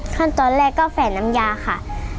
ขั้นตอนแรกก็แฝดน้ำยาค่ะ